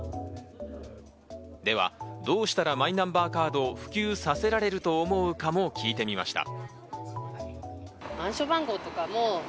ではどうしたらマイナンバーカードを普及させられると思うかも聞いてみました。